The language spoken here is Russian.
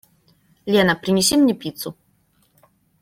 Лена, принеси мне пиццу.